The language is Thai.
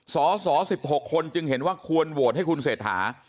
สส๑๖คนจึงเห็นว่าควรโหวตให้คุณเศรษฐา